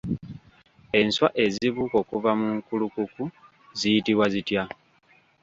Enswa ezibuuka okuva mu nkulukuku ziyitibwa zitya?